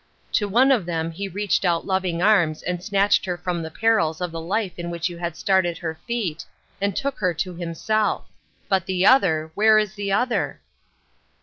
To one of them He reached out loving arms, and snatched her from the perils of the life in which you had started her feet, and took her to Himself ; but the other — where is the other